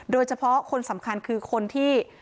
โดยเฉพาะคนสำคัญคือคนที่